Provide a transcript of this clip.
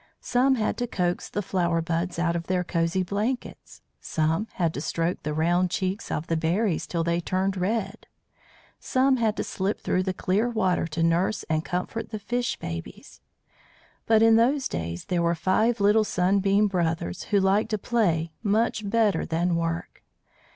Some had to coax the flower buds out of their cosy blankets; some had to stroke the round cheeks of the berries till they turned red; some had to slip through the clear water to nurse and comfort the fish babies. But in those days there were five little Sunbeam Brothers who liked play much better than work.